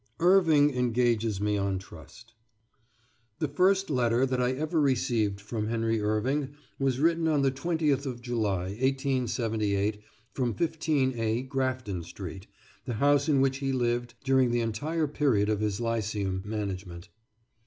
IRVING ENGAGES ME ON TRUST The first letter that I ever received from Henry Irving was written on the 20th of July, 1878, from 15A Grafton Street, the house in which he lived during the entire period of his Lyceum management.